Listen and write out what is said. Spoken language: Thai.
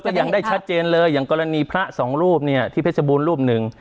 ยกตัวอย่างได้ชัดเจนเลยอย่างกรณีพระสองรูปที่เปศน์บูรณ์รูปหนึ่ง